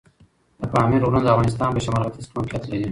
د پامیر غرونه د افغانستان په شمال ختیځ کې موقعیت لري.